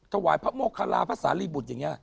ถวายพระโมคาราพระสารีบุตรอย่างนี้